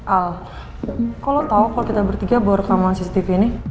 al kok lo tau kalau kita bertiga bawa rekaman cctv ini